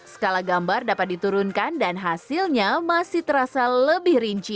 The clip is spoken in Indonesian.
skala gambar dapat diturunkan dan hasilnya masih terasa lebih rinci